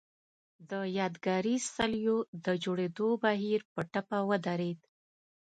د یادګاري څليو د جوړېدو بهیر په ټپه ودرېد.